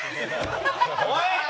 おい！